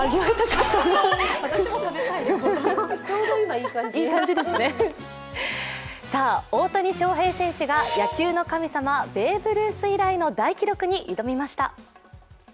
さあ、大谷翔平選手が野球の神様、ベーブ・ルース以来の大記録に挑みました。